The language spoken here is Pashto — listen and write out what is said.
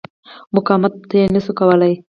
مقاومت نه شو کولای.